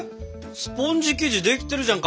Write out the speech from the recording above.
スポンジ生地できてるじゃん！